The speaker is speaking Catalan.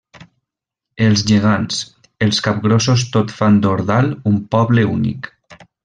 Els gegants, els capgrossos tot fan d'Ordal un poble únic.